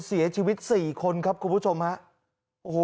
เสียชีวิต๔คนครับคุณผู้ชมฮะ